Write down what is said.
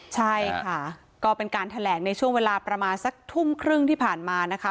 ใช่ค่ะก็เป็นการแถลงในช่วงเวลาประมาณสักทุ่มครึ่งที่ผ่านมานะคะ